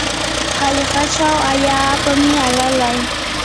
hallqachaw allaapami alalay.